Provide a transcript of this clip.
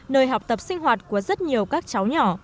nơi học tập sinh hoạt của rất nhiều các cháu nhỏ